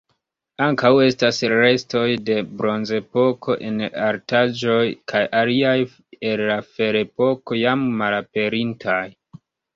Ankaŭ estas restoj de Bronzepoko en altaĵoj kaj aliaj el la Ferepoko jam malaperintaj.